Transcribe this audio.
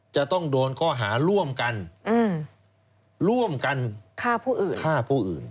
จะต้องโดนข้อหาร่วมกันร่วมกันฆ่าผู้อื่น